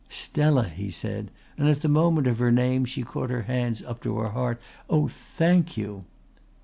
"Stella!" he said, and at the mention of her name she caught her hands up to her heart. "Oh, thank you!"